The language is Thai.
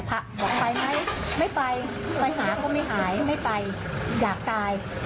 บอกไปไหมไม่ไปไปหาก็ไม่หายไม่ไปอยากตาย